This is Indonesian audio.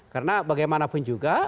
karena bagaimanapun juga